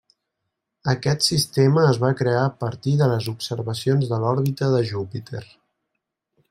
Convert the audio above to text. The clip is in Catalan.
Aquest sistema es va crear a partir de les observacions de l'òrbita de Júpiter.